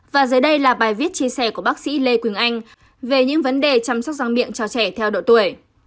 và dưới đây là bài viết chia sẻ của bác sĩ lê quỳnh anh về những vấn đề chăm sóc răng miệng cho trẻ theo độ tuổi